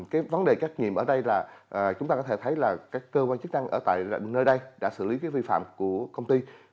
cái vấn đề trách nhiệm ở đây là chúng ta có thể thấy là các cơ quan chức năng ở tại nơi đây đã xử lý cái vi phạm của công ty